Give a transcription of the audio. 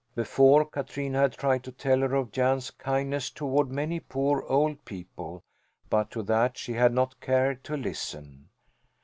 Before Katrina had tried to tell her of Jan's kindness toward many poor old people, but to that she had not cared to listen.